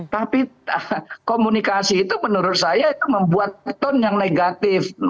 tapi komunikasi itu menurut saya membuat tone yang negatif